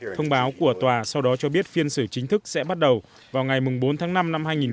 thông báo của tòa sau đó cho biết phiên xử chính thức sẽ bắt đầu vào ngày bốn tháng năm năm hai nghìn hai mươi